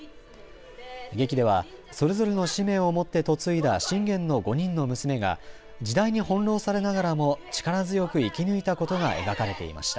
劇では、それぞれの使命を持って嫁いだ信玄の５人の娘が時代に翻弄されながらも力強く生き抜いたことが描かれていました。